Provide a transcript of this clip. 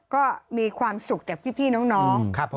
ก็มีความสุขจากพี่น้อง